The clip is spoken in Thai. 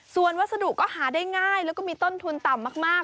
ส่วนวัสดุก็หาได้ง่ายแล้วก็มีต้นทุนต่ำมาก